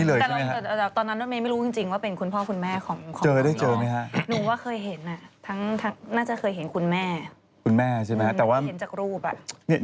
แล้วเราเคยไปไทยรายการตลาดสดที่น่าเราจำได้ร้านเจ๊อัง